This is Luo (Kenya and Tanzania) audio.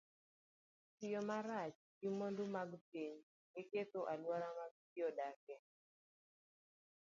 Tiyo marach gi mwandu mag piny en ketho alwora ma ji odakie.